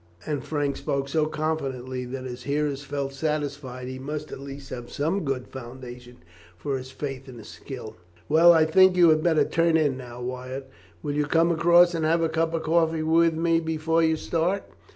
And Frank spoke so confidently that his hearers felt satisfied he must at least have some good foundation for his faith in his skill. "Well, I think you had better turn in now, Wyatt. Will you come across and have a cup of coffee with me before you start?"